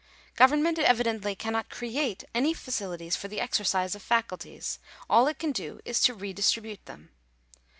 Government evidently cannot create any facilities for the exercise of faculties; all it can do is to re distribute them.